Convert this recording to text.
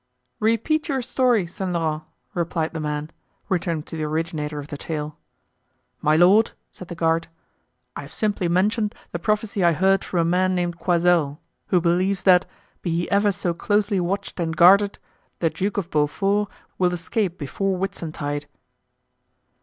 "Repeat your story, Saint Laurent," replied the man, turning to the originator of the tale. "My lord," said the guard, "I have simply mentioned the prophecy I heard from a man named Coysel, who believes that, be he ever so closely watched and guarded, the Duke of Beaufort will escape before Whitsuntide."